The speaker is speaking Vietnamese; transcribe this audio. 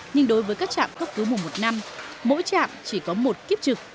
nhưng đối với các trạm cấp cứu vùng một năm mỗi trạm chỉ có một kiếp trực